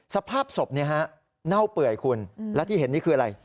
สภาพศพเน่าเปื่อยคุณและที่เห็นนี่คืออะไร